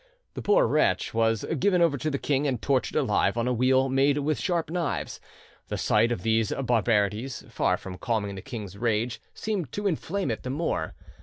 The poor wretch was given over to the king, and tortured alive on a wheel made with sharp knives. The sight of these barbarities, far from calming the king's rage, seemed to inflame it the more.